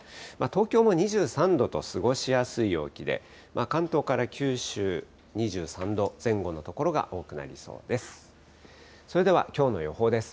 東京も２３度と、過ごしやすい陽気で、関東から九州、２３度前後の所が多くなりそうです。